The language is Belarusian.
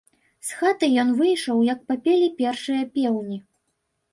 З хаты ён выйшаў, як папелі першыя пеўні.